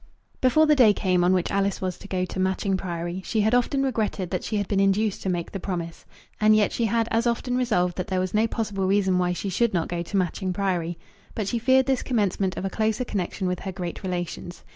Before the day came on which Alice was to go to Matching Priory, she had often regretted that she had been induced to make the promise, and yet she had as often resolved that there was no possible reason why she should not go to Matching Priory. But she feared this commencement of a closer connection with her great relations.